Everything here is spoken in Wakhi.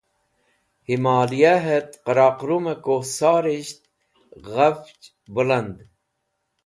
himaliyahet Karakurume Kuhsarisht Ghafch Buland